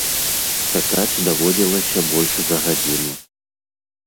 Чакаць даводзілася больш за гадзіну.